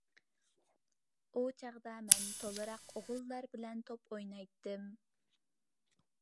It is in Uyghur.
ئۇ چاغدا مەن تولىراق ئوغۇللار بىلەن توپ ئوينايتتىم.